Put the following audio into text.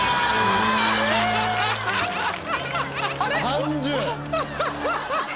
３０。